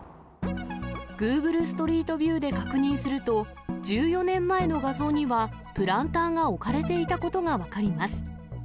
グーグルストリートビューで確認すると、１４年前の画像には、プランターが置かれていたことが分かります。